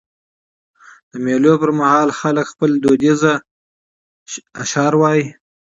د مېلو پر مهال خلک خپل دودیز اشعار وايي.